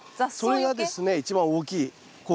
それがですね一番大きい効果です。